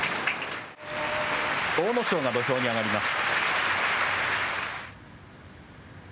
阿武咲が土俵に上がります。